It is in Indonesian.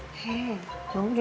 boleh bayang tau